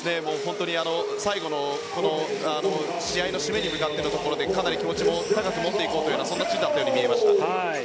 最後の試合の締めに向かっているところでかなり気持ちも高く持っていこうというような感じに見えました。